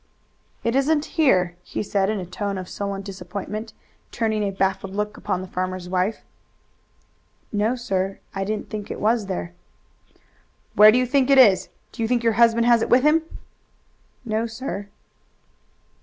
"It isn't here!" he said in a tone of sullen disappointment, turning a baffled look upon the farmer's wife. "No, sir, I didn't think it was there." "Where do you think it is? Do you think your husband has it with him?" "No, sir."